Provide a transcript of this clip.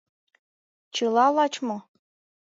Чыла лач мо?